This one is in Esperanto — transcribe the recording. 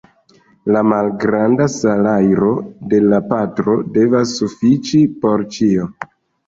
La malgranda salajro de la patro devas sufiĉi por ĉio.